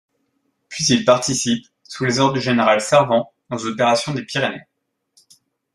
Puis il participe, sous les ordres du général Servan aux opérations des Pyrénées.